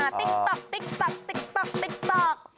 ติ๊กต๊อกติ๊กต๊อกติ๊กต๊อกติ๊กต๊อก